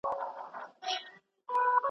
ملنګه ! ستوري څۀ وائي چې ځمکې ته راګوري؟ .